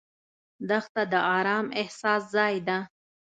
دښته د ارام احساس ځای ده.